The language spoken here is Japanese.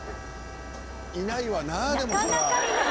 いないわなでもそりゃ。